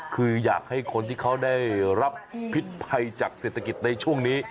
คืออยากให้คนที่เขาได้รับพิษภัยจากเศรษฐกิจในช่วงนี้